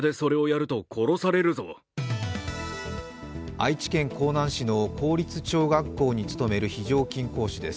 愛知県江南市の公立中学校に勤める非常勤講師です。